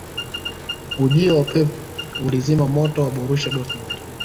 ujio wa pep ulizima moto wa borusia dortmund